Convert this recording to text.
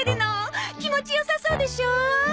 気持ち良さそうでしょ？